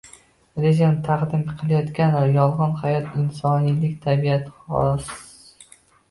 rejim taqdim qilayotgan “yolg‘on hayot” insoniylik tabiatiga xos